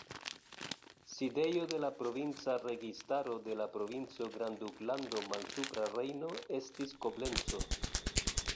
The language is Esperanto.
Sidejo de la provinca registaro de la provinco Grandduklando Malsupra Rejno estis Koblenco.